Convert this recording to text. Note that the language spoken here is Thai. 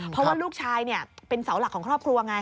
เพราะว่าลูกชายเป็นเสาหลักของครอบครัวไง